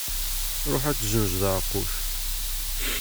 Ruḥ ad tezzenzeḍ aɛeqquc.